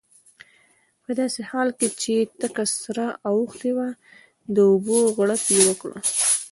په داسې حال کې چې تکه سره اوښتې وه د اوبو غړپ یې وکړ.